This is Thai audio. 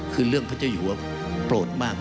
คือเรื่องพระเจ้าอยู่ว่าโปรดมาก